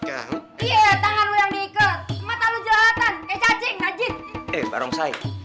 cacing najib barangsaik